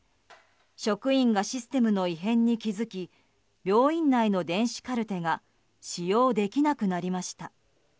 職員がシステムの異変に気付き病院内の電子カルテが使用できなくなりました。